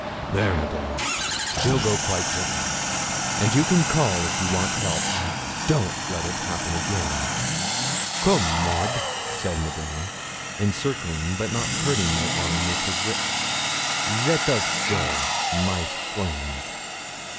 'There, Madame, she'll go quite gently, and you can call if you want help. Don't let it happen again.' 'Come, Maud,' said Madame, encircling but not hurting my arm with her grip; 'let us go, my friend.'